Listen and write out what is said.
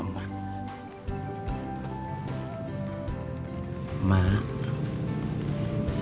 saya mau ngelamar esih